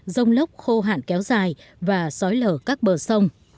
rông lốc khô hạn kéo dài và sói lở các bờ sông